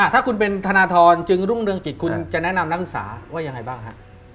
ถ้าคุณเป็นธนทรจึงรุ่งเรืองกิจคุณจะแนะนำนักศึกษาว่ายังไงบ้างฮะ